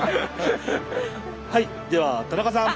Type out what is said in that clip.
はいでは田中さん。